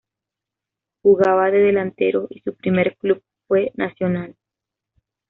Jugaba de delantero y su primer club fue Nacional.